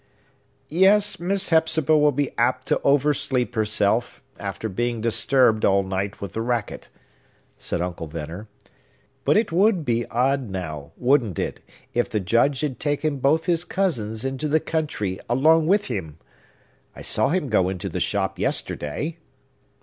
"Yes, Miss Hepzibah will be apt to over sleep herself, after being disturbed, all night, with the racket," said Uncle Venner. "But it would be odd, now, wouldn't it, if the Judge had taken both his cousins into the country along with him? I saw him go into the shop yesterday."